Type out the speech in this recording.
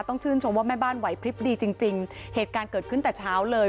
ต้องชื่นชมว่าแม่บ้านไหวพลิบดีจริงจริงเหตุการณ์เกิดขึ้นแต่เช้าเลย